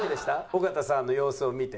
尾形さんの様子を見て。